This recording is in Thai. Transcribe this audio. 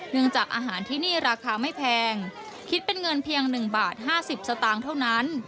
จากอาหารที่นี่ราคาไม่แพงคิดเป็นเงินเพียง๑บาท๕๐สตางค์เท่านั้น